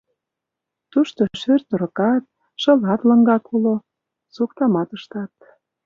Тушто шӧр-торыкат, шылат лыҥак уло, соктамат ыштат.